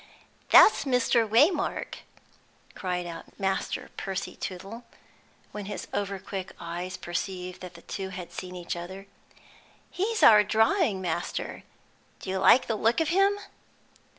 "That's Mr. Waymark," cried out Master Percy Tootle, when his overquick eyes perceived that the two had seen each other. "He's our drawing master. Do you like the look of him?"